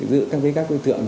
giữa các đối tượng